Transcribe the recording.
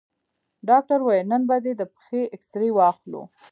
ډاکتر وويل نن به دې د پښې اكسرې واخلو.